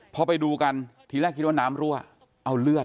พอไปดูกันทีแรกคิดว่าน้ำรั่วเอาเลือด